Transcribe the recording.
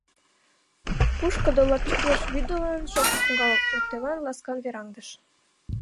Пушкыдо лапчыкеш вӱдылын, шокшо коҥга воктелан ласкан вераҥдыш.